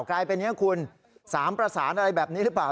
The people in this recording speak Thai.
ได้เป็นแล้วคุณสามประสานอะไรแบบนี้รึเปล่า